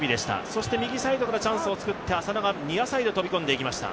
そして右サイドからチャンスを作って、浅野がニアサイドに飛び込んでいきました。